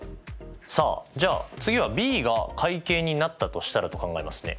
さあじゃあ次はＢが会計になったとしたらと考えますね。